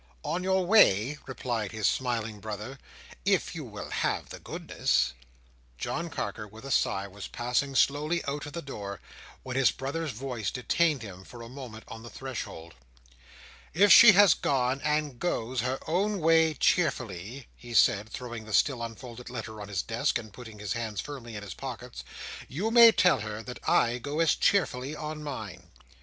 "On your way?" replied his smiling brother. "If you will have the goodness." John Carker, with a sigh, was passing slowly out at the door, when his brother's voice detained him for a moment on the threshold. "If she has gone, and goes, her own way cheerfully," he said, throwing the still unfolded letter on his desk, and putting his hands firmly in his pockets, "you may tell her that I go as cheerfully on mine.